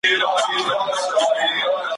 د خپل زړه درزا مي اورم `